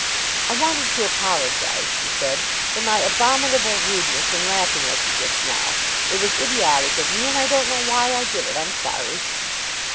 "I wanted to apologize," she said, "for my abominable rudeness in laughing at you just now. It was idiotic of me and I don't know why I did it. I'm sorry."